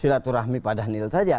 silaturahmi pak daniel saja